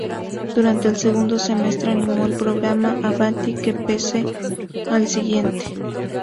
Durante el segundo semestre animó el programa "Avanti ¡que pase el siguiente!